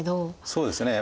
そうですね。